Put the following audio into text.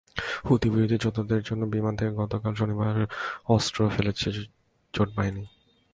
হুতিবিরোধী যোদ্ধাদের জন্য বিমান থেকে গতকাল শনিবার অস্ত্রও ফেলেছে জোট বাহিনী।